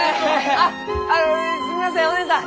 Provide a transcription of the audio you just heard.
あっすみませんおねえさん！